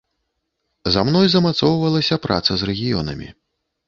За мной замацоўвалася праца з рэгіёнамі.